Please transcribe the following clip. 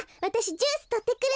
ジュースとってくる。